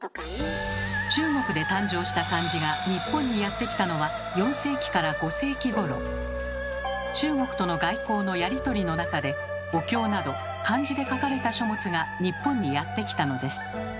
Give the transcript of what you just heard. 中国で誕生した漢字が日本にやって来たのは中国との外交のやり取りの中でお経など漢字で書かれた書物が日本にやって来たのです。